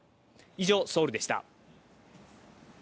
以上、ソウルでした。